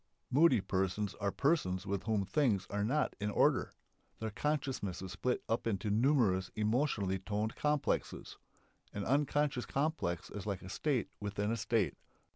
Moody persons are persons with whom things are not in order. Their consciousness is split up into numerous emotionally toned "complexes." An unconscious complex is like a state within a state.